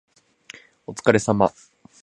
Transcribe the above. お疲れ様